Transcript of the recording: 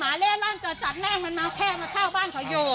หมาเล่นล่างจาจัดแม่งมันมาแค่มาเช่าบ้านเขาอยู่